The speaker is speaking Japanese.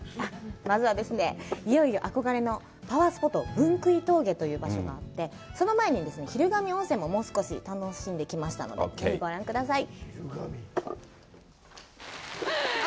まずはですね、いよいよ憧れのパワースポット、分杭峠という場所があって、その前にですね、昼神温泉ももう少し楽しんできましたので、ご覧ください。